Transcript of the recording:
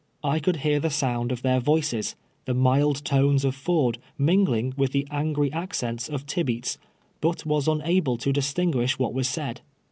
I could hear the sound of their voices, the jnild tones of Ford mingling with the angry accents of Tibeats, hut was unable to distinguish what was said.